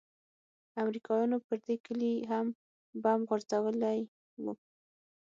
امريکايانو پر دې كلي هم بم غورځولي وو.